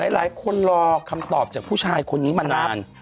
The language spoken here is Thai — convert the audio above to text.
หลายคนรอคำตอบจากผู้ชายคนนี้มานาน